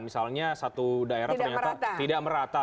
misalnya satu daerah ternyata tidak merata